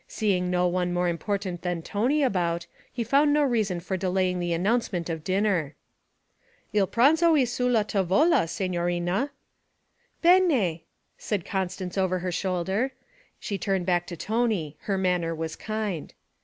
Seeing no one more important than Tony about, he found no reason for delaying the announcement of dinner. 'Il pranzo è sulla tavola, signorina.' 'Bene!' said Constance over her shoulder. She turned back to Tony; her manner was kind.